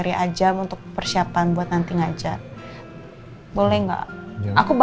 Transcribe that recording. tenang mas kamu ambil dua